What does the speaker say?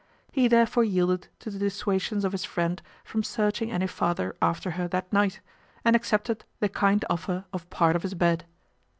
He therefore yielded to the dissuasions of his friend from searching any farther after her that night, and accepted the kind offer of part of his bed.